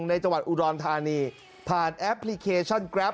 ในจังหวัดอุดรธานีผ่านแอปพลิเคชันแกรป